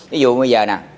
ví dụ bây giờ nè